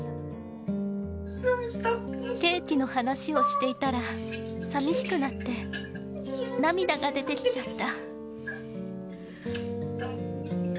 ケーキの話をしていたら、さみしくなって、涙が出てきちゃった。